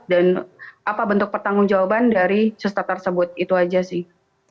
dan apa bentuk pertanggung jawaban dari sester tersebut itu aja sih